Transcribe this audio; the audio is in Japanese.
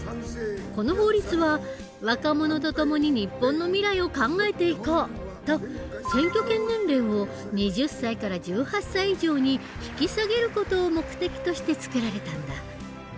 この法律は「若者とともに日本の未来を考えていこう」と選挙権年齢を２０歳から１８歳以上に引き下げる事を目的として作られたんだ。